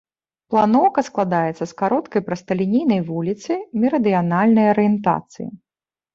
Планоўка складаецца з кароткай прасталінейнай вуліцы мерыдыянальнай арыентацыі.